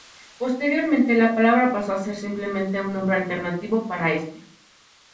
Posteriormente, la palabra pasó a ser simplemente un nombre alternativo para este.